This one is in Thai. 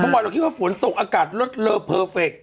เพราะบ่อยเราคิดว่าฝนตกอากาศเลอร์เพอร์เฟกต์